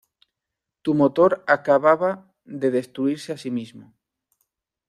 Tu motor acababa de destruirse a sí mismo".